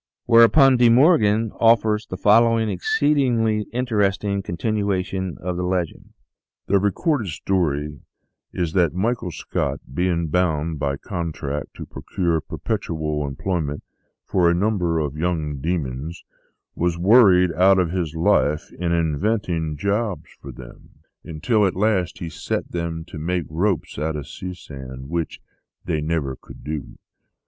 Whereupon De Morgan offers the following exceedingly interesting continuation of the legend :" The recorded story is that Michael Scott, being bound by contract to procure perpetual employment for a num ber of young demons, was worried out of his life in invent ing jobs for them, until at last he set them to make ropes out of sea sand, which they never could do.